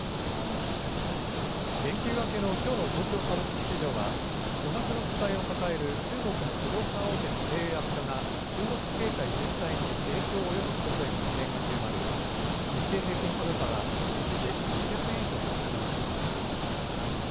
連休明けのきょうの東京株式市場は巨額の負債を抱える中国の不動産大手の経営悪化が中国経済全体に影響を及ぼすことへの懸念が強まり日経平均株価は一時、６００円以上値下がりしました。